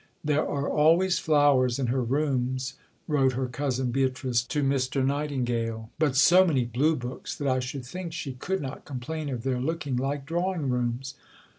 "There are always flowers in her rooms," wrote her cousin Beatrice to Mr. Nightingale "but so many Blue books that I should think she could not complain of their looking like drawing rooms."